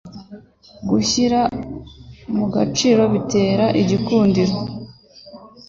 Gushyira mu gaciro bitera igikundiro